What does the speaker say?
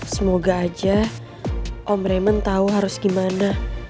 semoga aja om raymond tau harus gimana